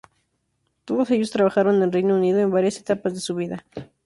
Todos ellos trabajaron en Reino Unido en varias etapas de su vida.